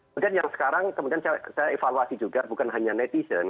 kemudian yang sekarang kemudian saya evaluasi juga bukan hanya netizen